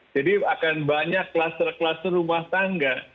akan banyak kluster kluster rumah tangga